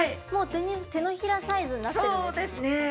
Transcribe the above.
もう手のひらサイズになってるんですね。